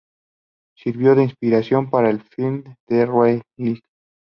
Sirvió de inspiración para el film "The Relic".